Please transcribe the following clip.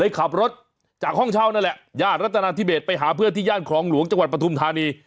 ขับรถจากห้องเช่านั่นแหละย่านรัฐนาธิเบสไปหาเพื่อนที่ย่านคลองหลวงจังหวัดปฐุมธานี